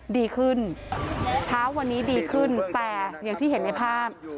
ดีขึ้นเช้าวันนี้ดีขึ้นแต่อย่างที่เห็นในภาพ